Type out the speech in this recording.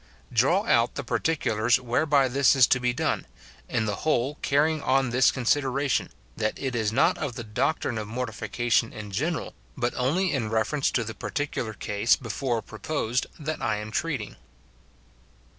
Draw out the particulars whereby this is to be done ; in the whole carrying on this consideration, that it is not of the doctrine of mortification in general, but only in reference to the particular case before proposed, that I am treating.